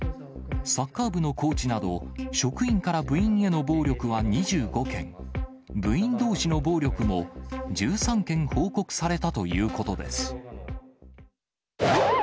サッカー部のコーチなど、職員から部員への暴力は２５件、部員どうしの暴力も１３件報告されたということです。